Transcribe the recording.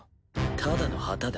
ただの旗だ。